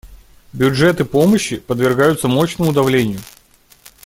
Бюджеты помощи подвергаются мощному давлению.